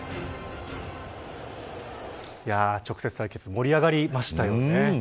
直接対決盛り上がりましたよね。